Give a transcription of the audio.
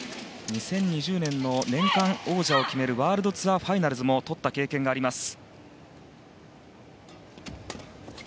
２０２０年の年間王者を決めるワールドツアーファイナルズもとった経験があります。